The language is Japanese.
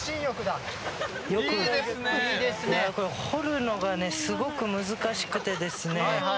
掘るのがすごく難しくてですね